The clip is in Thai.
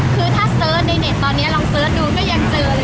คือถ้าเสิร์ชในเน็ตตอนนี้ลองเสิร์ชดูก็ยังเจอเลย